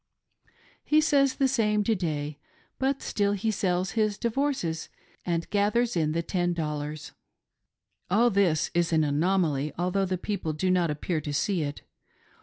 He says the same to day ; but still he sells his divorces and gathers in the ten dollars. All this is an anomaly, although the people do not appear to see it.